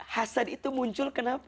hasad itu muncul kenapa